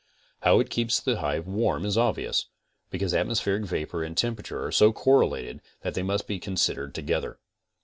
How it keeps the hive warm is obvious. Because at mospheric vapor and temperature are so correlated they must be considered together.